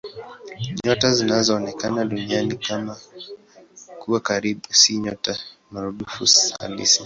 Nyota zinazoonekana Duniani kuwa karibu si nyota maradufu halisi.